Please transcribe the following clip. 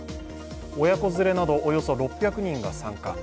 親子連れなどおよそ６００人が参加。